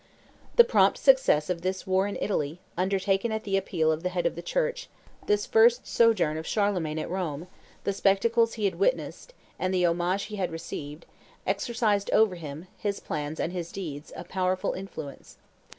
The prompt success of this war in Italy, undertaken at the appeal of the Head of the Church, this first sojourn of Charlemagne at Rome, the spectacles he had witnessed, and the homage he had received, exercised over him, his plans, and his deeds, a powerful influence.